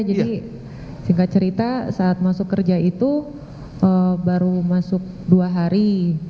jadi singkat cerita saat masuk kerja itu baru masuk dua hari